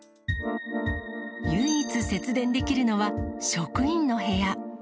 唯一節電できるのは、職員の部屋。